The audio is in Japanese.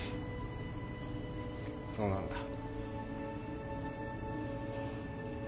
そうなんだ。